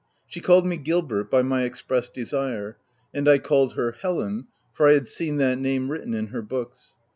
She called me Gilbert, by my express desire, and I called her Helen, for I had seen that name written in her books.